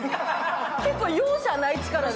結構容赦ない力で。